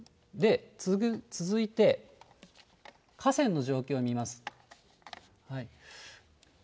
続いて河川の状況見ます。